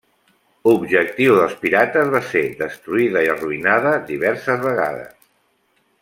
Objectiu dels pirates va ser destruïda i arruïnada diverses vegades.